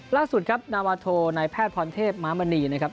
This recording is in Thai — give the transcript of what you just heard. ล่าสุดครับนาวาโทนายแพทย์พรเทพม้ามณีนะครับ